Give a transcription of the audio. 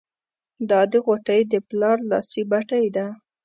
دا د غوټۍ د پلار لاسي بتۍ ده.